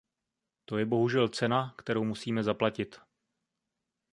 To je bohužel cena, kterou musíme zaplatit.